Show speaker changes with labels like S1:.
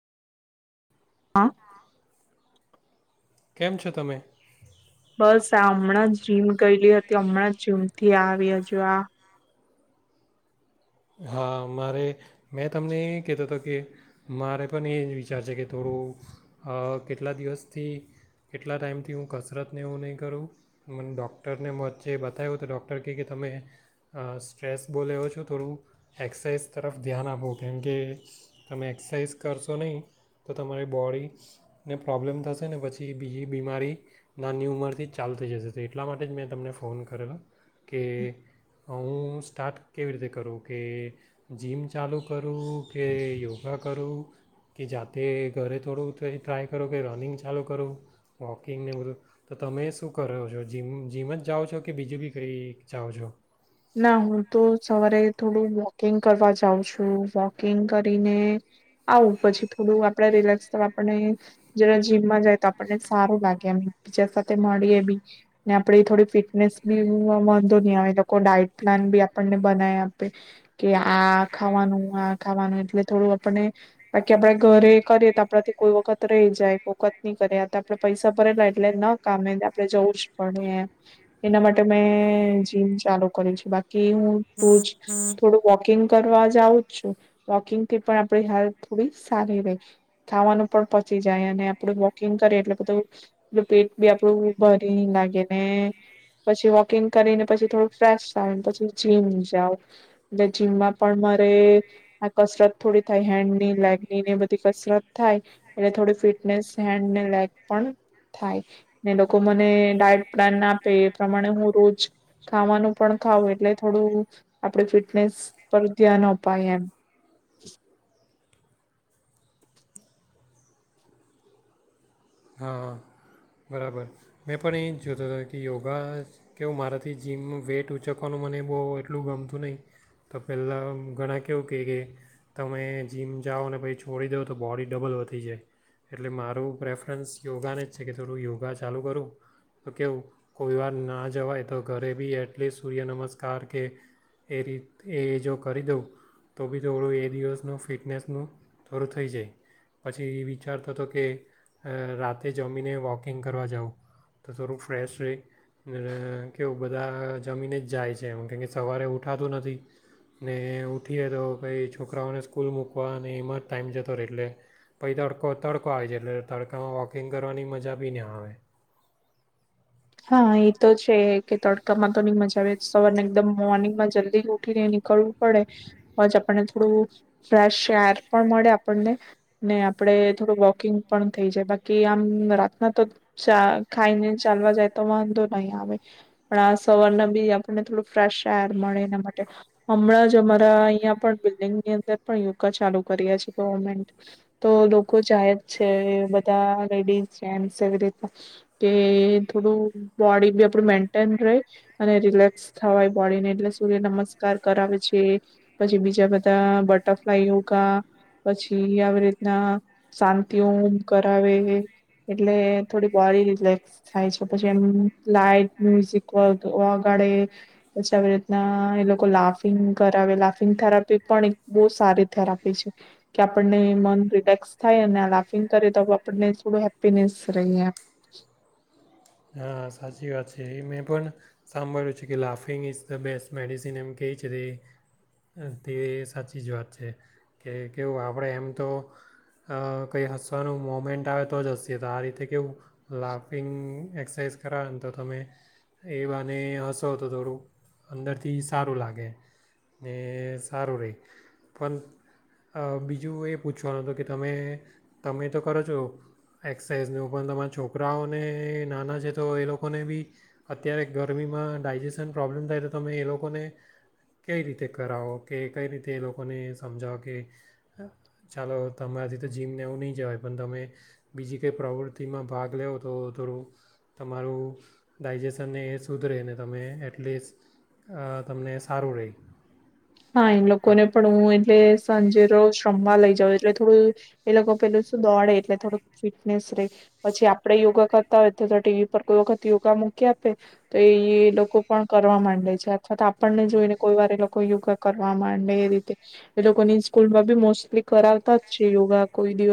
S1: હા.
S2: કેમ છો તમે.
S1: બસ આ હમણાં જ જીમ ગયેલી હતી હમણાં જીમ થી આવી હજુ આ.
S2: હા મારે મેં તમને એ કહેતો હતો કે મારે પણ એ જ વિચાર છે કે થોડું કેટલા દિવસથી કેટલા ટાઈમથી હું કસરતને એવું નહીં કરું મને ડૉક્ટરને વચ્ચે બતાવ્યો તો ડૉક્ટર કહે કે તમે સ્ટ્રેસ બોલેવો છો થોડું. એક્સરસાઇઝ તરફ ધ્યાન આપું કેમ કે તમે એક્સરસાઇઝ કરશો નહીં તો તમારી બોડીને પ્રોબ્લેમ થશે ને પછી બીજી બીમારી નાની ઉંમરથી ચાલુ થય જશે તો એટલા માટે જ મેં તમને ફોન કરેલો કે હું સ્ટાર્ટ કેવી રીતે કરું. કે જીમ ચાલુ કરું કે યોગા કરું કે જાતે ઘરે થોડું થ ટ્રાય કરો કે રનિંગ ચાલુ કરું વોકિંગને બધું તો તમે શું કરો છો જીમ જીમ જ જાઓ છો કે બીજું બી કય જાઓ છો.
S1: ના હું તો સવારે થોડું વોકિંગ કરવા જાઉં છું વોકિંગ કરીને આવું પછી થોડું આપડે રિલેક્સ આપણને જરા જીમમાં જાય તો આપણને સારું લાગે એમ બીજા સાથે મળીએ બી ને આપડી થોડી ફિટનેસ બી વાંધો નહી આવે. ડઇટ પ્લાન બી આપણને બનાય આપે કે આ ખાવાનું આ ખાવાનું એટલે થોડું આપને બાકી આપડા ઘરે કરીએ તો આપડાથી કોઈ વખત રહી જાય કોઈ વખત નહી કરે આ આપડે પૈસા ભરેલા એટલે ના કમે આપડણે જવું જ પડે એના માટે મેં જ. ચાલુ કર્યું છે બાકી. કે હું રોજ થોડો વોકિંગ કરવા. જઉું છું વોકિંગ થી પણ આપડી હેલથ થોડી સારી રહી ખાવાનું પણ પચી જાય અને આપડું વોકિંગ કરી એટલે બધું પેટ બી આપડું ભરી ન લાગે ને પછી વોકિંગ કરીને પછી થોડું. ફેશ થ પછી જીમ જાાવ એટલે જીમમાં પણ મારે આ કસરત થોડી થાય હેન્ડ ની લેગની ને બધી કસરત થાય એટલે થોડી ફિટનેસ હેન્ડ ને લેગ પણ થાય ને લોકો મને ડાયટ પ્લાન ના આપે એ પ્રમાણે હું રોજ. ખાવાનું પણ ખાવું એટલે થોડું આપડે ફિટનેસ પર ધ્યાન અપાય એમ.
S2: હા બરાબર મેં પણ એ જ જોતો હતો કે યોગા કેવું મારાથી જીમ વેઇટ ઊંચકવાનું મને બહુ એટલું ગમતું નહીં તો પહેલાં ઘણા કેવું કે કે તમે જીમ જાઓ ને પછી છોડી દો તો બોડી ડબલ વધતી જાય એટલે મારું પ્રેફરન્સ યોગાને જ છે કે. થોડું યોગા ચાલુ કરું તો કેવું કોઈ વાર ના જવાય તો ઘરે બી એટલીસ્ટ સૂર્ય નમસ્કાર કે એ રીત એ જો કરી દઉં તો બી થોડું એ દિવસનું ફિટનેસનું થોડું થઈ જાય પછી એ વિચારતો હતો કે રાતે જમ. જમીને વોકિંગ કરવા જઉં તો થોડું ફ્રેશ છે કેવું બધા જમીને જ જાય છે એમ કેમ સવારે ઉઠાતું નથી ને ઉઠીએ તો પછી છોકરાઓને સ્કૂલ મૂકવા અને એમાં જ ટાઈમ જતો રહે એટલે પછી તડકો તડકો આવી જાય છે એટલે તડકામાં વોકિંગ કરવાની મજા બી ન આવે.
S1: હા એ તો છે કે તડકામાં તો નઈ મજા આવે સવાર ને એકદમ મોર્નિંગમાં જલ્દી ઉઠીને નીકળવું પડે બજ આપણને થોડું ફ્રેશ એર પણ મળે આપણને ને આપડે થોડું વોકિંગ પણ થઈ જાય બાકી આમ રાતના તો ખાઈને ચાલવા જાય વાંધો નહી આવે પણ આ સવારને બી આપણને થોડું ફ્રેશ એર મળે એના માટે હમણાં જ અમારા અહીં પણ બિલ્ડિંગની અંદર પણ યોગા ચાલુ કરી્યા છે ગવર્મેન્ટ તો લોકો જાય જ છે બધા લેડીઝ જે એવી રીના કે થોડું. બોડી બી આપડું મેન્ટેન રે અને રિલેક્સ થવાય બોડી ને એટલે સૂર્ય નમસ્કાર કરાવે છે પછી બીજા બધા બટરફ્લાય યોગા પછી આવી રીતના શાંતિ ઓમ કરાવે એટલે થોડી બોડી રિલેક્સ થાય છે. પછ લાઈટ મ્યુઝિક વગાડે પછી આવી રીતના એ લોકો લાફિંગ કરાવે લાફિંગ થેરાપી પણ એક બવ સારી થેરાપી છે કે આપને મન રિલેક્સ થાય લાફિંગ કરે તો આપણને થોડું હેપ્પીનેસ રહી.
S2: હા સાચી વાત છે એ મેં પણ સાંભળ્યું છે કે laughing is the best medicine એમ કેવી છે તે તે સાચી જ વાત છે કે કેવું આપણે એમ તો કઈ હસવાનું મોમેન્ટ આવે તો જ હશે તો આ રીતે કેવું લાફિંગ એક્સરસાઇઝ કરાવ ને તો તમે એ બાને હશો તો થોડું અંદરથી સારું લાગે ને સારું રહે પણ બીજું એ પૂછવાનું હત કે તમે તમે તો કરો છો એક્સરસાઇઝનું પણ તમારા છોકરાઓને નાના છે તો એ લોકોને બી અત્યારે ગરમીમાં ડાયજેશન પ્રોબ્લેમ થાય તો તમે એ લોકોને કઈ રીતે કરાવો કે કઈ રીતે એ લોકોને સમજાવો કે ચાલો તમારાથી તો જીમને એવું નહીં જવાય પણ તમે બીજી કંઈ પ્રવૃત્તિમાં ભાગ લેવ તો થોડું. તમારું ડાયજેશનને એ સુધરે ને તમે એટલીસ્ટ તમને સારું રેહ.
S1: હા, એ લોકોને પણ હું એટલે સાંજે રોજ રમવા લઈ જાવ, એટલે થોડું એ લોકો પેલું શું દોડે એટલે થોડુંક ફિટનેસ રે, પછી આપડે યોગા કરતા હોય તો ટીવી પર કોઈ વખત યોગા મૂકી આપે તો એ લોકો પણ કરવા માંડે છે અથવા તો આપણને જોઈ ને કોઈ વાર એ લોકો યોગા કરવા માંડે એ રીતે, એ લોકો સ્કૂલમાં બી મોસ્ટલી કરાવતા જ છે યોગા, કોઈ દિવસ.